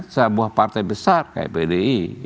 sebuah partai besar kayak pdi